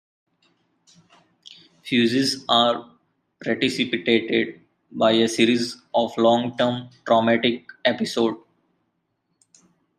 Fugues are precipitated by a series of long-term traumatic episodes.